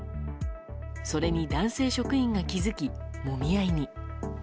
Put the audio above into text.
それに男性職員が気付きもみ合いに。